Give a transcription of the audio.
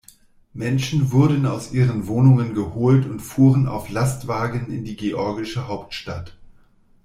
Menschen wurden aus ihren Wohnungen geholt und fuhren auf Lastwagen in die georgische Hauptstadt.